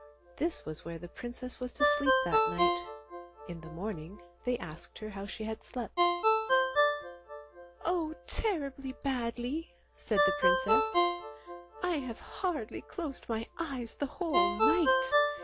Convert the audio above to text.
This was where the princess was to sleep that night. In the morning they asked her how she had slept. 59 6o ANDERSEN'S FAIRY TALES "Oh terribly badly!" said the Princess. "I have hardly closed my eyes the whole night!